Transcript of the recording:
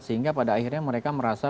sehingga pada akhirnya mereka merasa